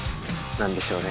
何でしょうね？